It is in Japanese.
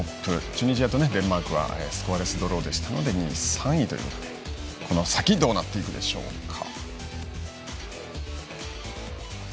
チュニジアとデンマークはスコアレスドローでしたので２位、３位ということでこの先どうなっていくでしょうか。